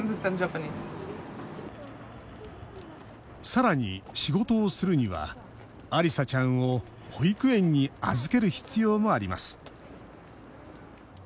さらに、仕事をするにはアリサちゃんを保育園に預ける必要もあります。